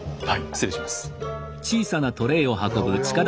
失礼します。